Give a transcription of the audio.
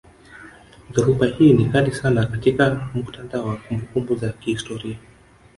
Dhoruba hii ni kali sana katika muktadha wa kumbukumbu za kihistoria